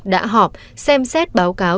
đã họp xem xét báo cáo